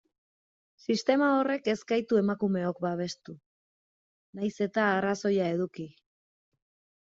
Sistema horrek ez gaitu emakumeok babestu, nahiz eta arrazoia eduki.